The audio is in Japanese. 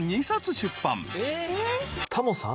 タモさん？